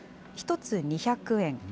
１つ２００円。